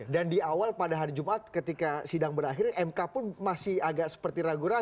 dan di awal pada hari jumat ketika sidang berakhir mk pun masih agak seperti ragu ragu